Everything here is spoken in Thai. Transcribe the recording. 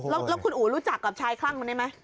แล้วคุณอู๋รู้จักกับชายคลั่งคนนี้ไหม